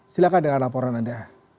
silahkan dengan laporan anda